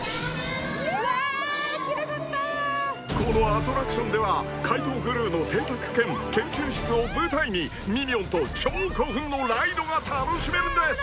［このアトラクションでは怪盗グルーの邸宅兼研究室を舞台にミニオンと超興奮のライドが楽しめるんです］